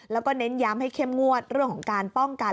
แล้วก็เน้นย้ำให้เข้มงวดเรื่องของการป้องกัน